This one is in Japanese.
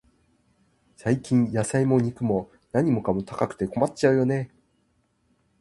最近、野菜も肉も、何かも高くて困っちゃうよね。